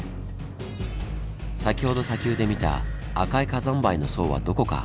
先ほど砂丘で見た赤い火山灰の層はどこか。